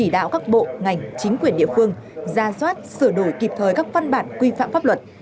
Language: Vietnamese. đạo các bộ ngành chính quyền địa phương ra soát sửa đổi kịp thời các văn bản quy phạm pháp luật